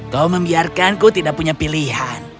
kau membiarkanku tidak punya pilihan